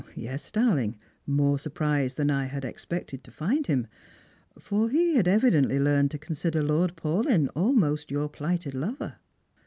"Yes, darling; more surprised than I had ex]oected to find him, for he had evidently learned to consider Lord Paulyn almost your plighted lover."